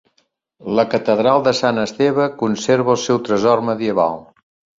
La Catedral de Sant Esteve conserva el seu tresor medieval.